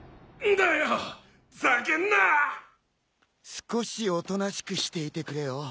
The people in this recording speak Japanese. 少しおとなしくしていてくれよ。